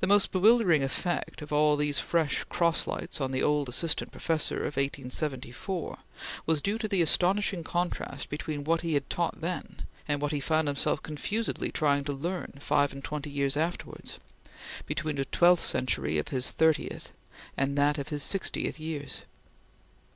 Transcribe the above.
The most bewildering effect of all these fresh cross lights on the old Assistant Professor of 1874 was due to the astonishing contrast between what he had taught then and what he found himself confusedly trying to learn five and twenty years afterwards between the twelfth century of his thirtieth and that of his sixtieth years.